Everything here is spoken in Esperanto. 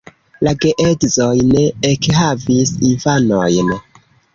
La geedzoj ne ekhavis infanojn.